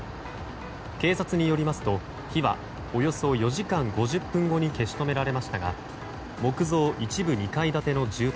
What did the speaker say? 警察によりますと火はおよそ４時間５０分後に消し止められましたが木造一部２階建ての住宅